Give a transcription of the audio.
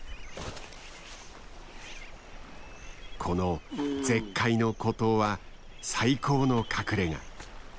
この絶海の孤島は最高の隠れが。